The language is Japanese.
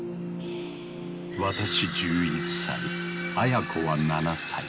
私１１歳アヤ子は７歳。